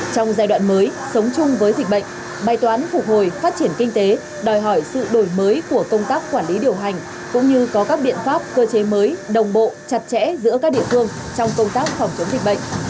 trong giai đoạn mới sống chung với dịch bệnh bài toán phục hồi phát triển kinh tế đòi hỏi sự đổi mới của công tác quản lý điều hành cũng như có các biện pháp cơ chế mới đồng bộ chặt chẽ giữa các địa phương trong công tác phòng chống dịch bệnh